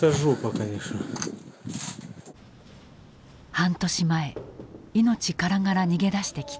半年前命からがら逃げ出してきた。